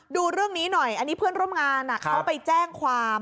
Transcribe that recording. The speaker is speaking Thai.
ดูเรื่องนี้หน่อยอันนี้เพื่อนร่วมงานเขาไปแจ้งความ